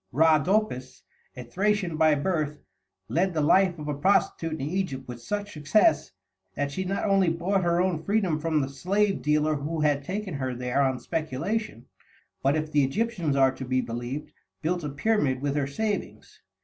Rhadopis, a Thracian by birth, led the life of a prostitute in Egypt with such success, that she not only bought her own freedom from the slave dealer who had taken her there on speculation, but, if the Egyptians are to be believed, built a pyramid with her savings.